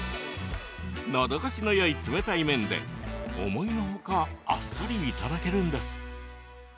のどごしのよい冷たい麺で思いのほかあっさりいただけるんです。